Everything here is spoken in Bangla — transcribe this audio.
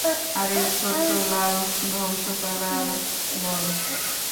আরে, ছোট্ট লাল ধ্বংস করার বল।